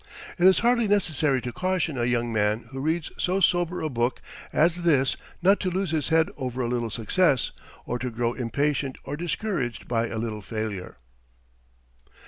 It is hardly necessary to caution a young man who reads so sober a book as this not to lose his head over a little success, or to grow impatient or discouraged by a little failure.